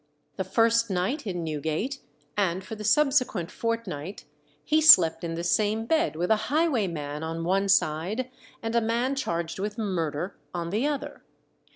The first night in Newgate, and for the subsequent fortnight, he slept in the same bed with a highwayman on one side, and a man charged with murder on the other.